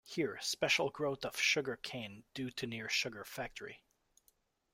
Here, special growth of sugarcane due to near sugar factory.